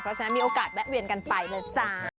เพราะฉะนั้นมีโอกาสแวะเวียนกันไปเลยจ้า